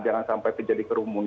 jangan sampai itu jadi kerumunan